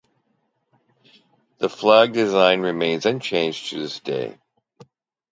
The flag design remains unchanged to this day.